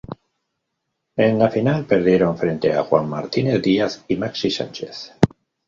En la final perdieron frente a Juan Martín Díaz y Maxi Sánchez.